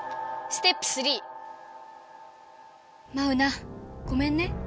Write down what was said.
ステップ３！マウナごめんね。